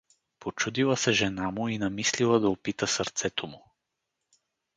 Почудила се жена му и намислила да опита сърцето му.